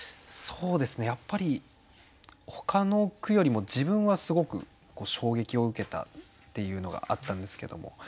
そうですねやっぱりほかの句よりも自分はすごく衝撃を受けたっていうのがあったんですけども。